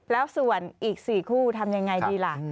แล้วส่วนอีก๔คู่ทำยังไงดีล่ะ